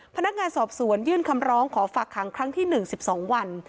พนักงานสอบสวนยื่นคำร้องขอฝากขังครั้งที่๑๑๒วัน